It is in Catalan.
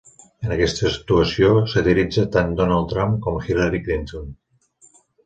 En aquesta actuació, satiritza tant Donald Trump com Hillary Clinton.